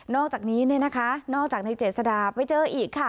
อกจากนี้เนี่ยนะคะนอกจากในเจษดาไปเจออีกค่ะ